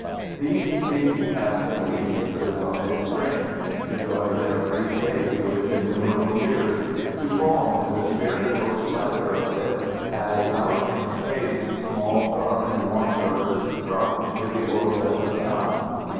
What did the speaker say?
These seek to cast their weaknesses on its strength, to join their brief day to its innumerable years, to fall into the spiritual splendor of it as out in space small darkened wanderers drop into the orbit of a sun.